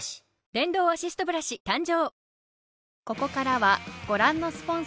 電動アシストブラシ誕生！